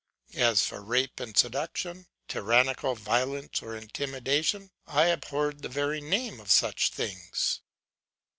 As for rape and seduction, tyrannical violence or intimidation, I abhorred the very name of such things.